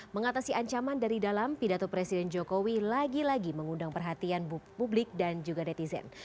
mengatasi ancaman dari dalam pidato presiden jokowi lagi lagi mengundang perhatian publik dan juga netizen